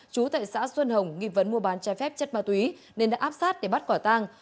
chú tại xã xuân hồng nghi vấn mua bán trái phép chất ma túy nên đã áp sát để bắt quả tang